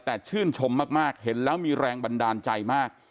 แต่ชื่นชมมากเห็นแล้วมีแรงบันดาลใจมาก